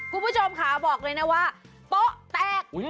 คุณผู้ชมค่ะบอกเลยนะว่าโป๊ะแตก